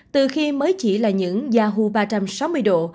từ khi mới chỉ là những yahoo ba trăm sáu mươi độ